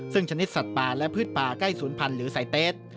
ซึ่งชนิดสัตว์ป่าและพืชป่าใกล้๐๐๐๐หรือไซเตส